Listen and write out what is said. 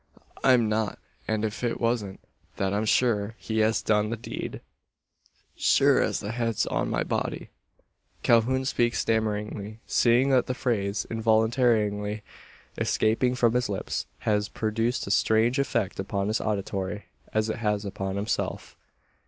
I'm not; and if it wasn't that I'm sure he has done the deed sure as the head's on my body " Calhoun speaks stammeringly, seeing that the phrase, involuntarily escaping from his lips, has produced a strange effect upon his auditory as it has upon himself.